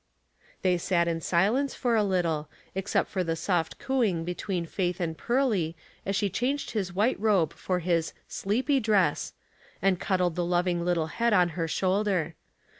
They sat in silence for a little, except for the soft cooing between Faith and Pearly as she changed his white robe for his " sleepy dress," and cuddled the loving little head on her shoulder.